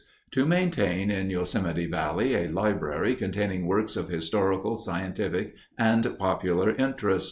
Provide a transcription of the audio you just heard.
To maintain in Yosemite Valley a library containing works of historical, scientific, and popular interest.